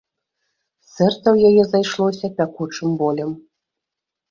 Сэрца ў яе зайшлося пякучым болем.